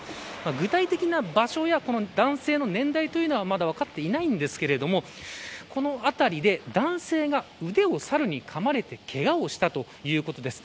具体的な場所や男性の年代というのはまだ分かっていないんですけれどもこの辺りで男性が腕をサルにかまれてけがをしたということです。